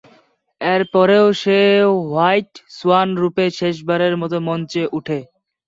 এরপরেও সে "white swan" রূপে শেষবারের মতো মঞ্চে উঠে।